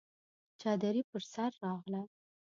چادري پر سر راغله!